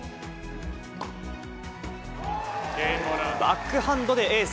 バックハンドでエース。